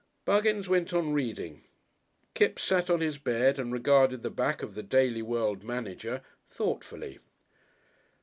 Buggins went on reading. Kipps sat on his bed and regarded the back of the Daily World Manager thoughtfully.